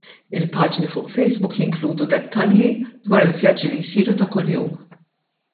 Il-paġni fuq Facebook jinkludu dettalji dwar il-vjaġġi li jsiru ta' kuljum.